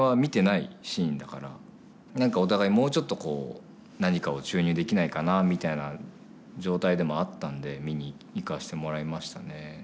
何かお互いもうちょっとこう何かを注入できないかなみたいな状態でもあったんで見に行かせてもらいましたね。